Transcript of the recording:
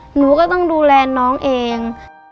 หนูก็ต้องดูแลน้องเอง